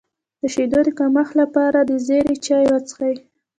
د شیدو د کمښت لپاره د زیرې چای وڅښئ